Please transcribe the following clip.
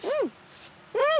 うん！